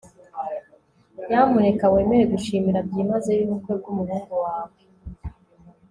nyamuneka wemere gushimira byimazeyo ubukwe bw'umuhungu wawe